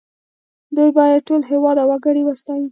دوی باید ټول هېواد او وګړي وستايي